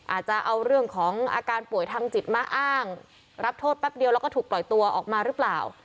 อาจจะเอาเรื่องของอาการป่วยทางจิตมาอ้างรับโทษแป๊บเดียวแล้วก็ถูกปล่อยตัวออกมาหรือเปล่า